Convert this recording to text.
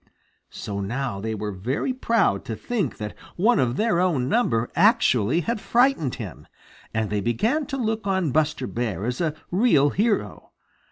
So now they were very proud to think that one of their own number actually had frightened him, and they began to look on Buster Bear as a real hero.